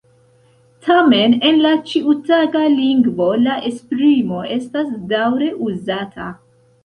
Tamen en la ĉiutaga lingvo la esprimo estas daŭre uzata.